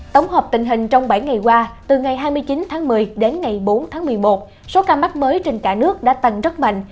tổng hợp tình hình trong bảy ngày qua từ ngày hai mươi chín tháng một mươi đến ngày bốn tháng một mươi một số ca mắc mới trên cả nước đã tăng rất mạnh